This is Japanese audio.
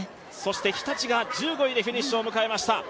日立が１５位でフィニッシュを迎えました。